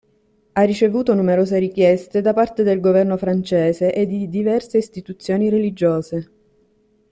Ha ricevuto numerose richieste da parte del governo francese e di diverse istituzioni religiose.